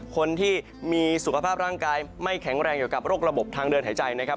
คนที่มีสุขภาพร่างกายไม่แข็งแรงเกี่ยวกับโรคระบบทางเดินหายใจนะครับ